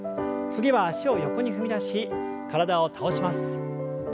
次は脚を横に踏み出し体を倒します。